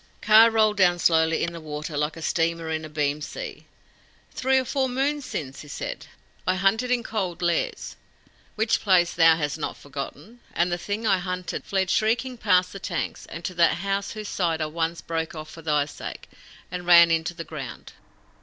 Kaa rolled slowly in the water like a steamer in a beam sea. "Three or four moons since," said he, "I hunted in Cold Lairs, which place thou hast not forgotten. And the thing I hunted fled shrieking past the tanks and to that house whose side I once broke for thy sake, and ran into the ground."